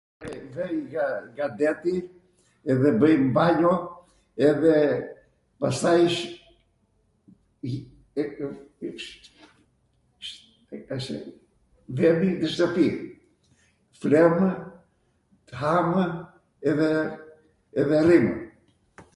vej nga deti edhe bwjm banjo edhe pastaj ... vemi nw shtwpi... flwmw, ham, edhe rrimw.